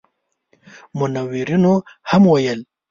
منورینو هم ویل.